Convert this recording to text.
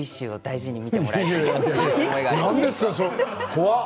怖っ！